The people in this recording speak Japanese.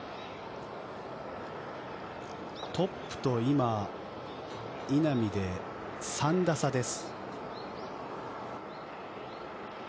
トップと今、稲見で、３打差です。